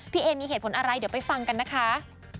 เอมีเหตุผลอะไรเดี๋ยวไปฟังกันนะคะ